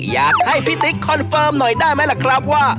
อยากให้พี่ติ๊กคอนเฟิร์มหน่อยได้ไหมล่ะครับว่า